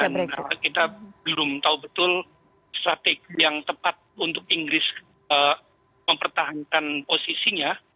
dan kita belum tahu betul strategi yang tepat untuk inggris mempertahankan posisinya